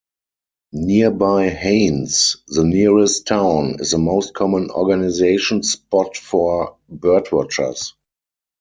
Nearby Haines, the nearest town, is the most common organization spot for birdwatchers.